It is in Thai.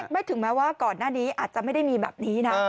ถึงแม้ว่าก่อนหน้านี้อาจจะไม่ได้มีแบบนี้นะ